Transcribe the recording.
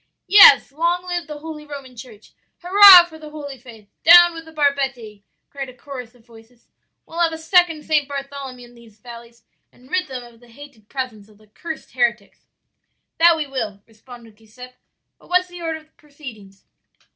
"'Yes; long live the holy Roman Church! Hurrah for the holy faith! Down with the barbetti!' cried a chorus of voices. 'We'll have a second St. Bartholomew in these valleys and rid them of the hated presence of the cursed heretics.' "'That we will,' responded Giuseppe. 'But what's the order of proceedings?'